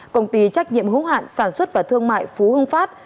công ty trách nhiệm hữu hạn sản xuất và thương mại phú hưng phát